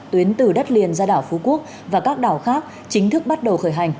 tuyến từ đất liền ra đảo phú quốc và các đảo khác chính thức bắt đầu khởi hành